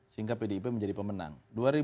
sehingga pdip menjadi pemenang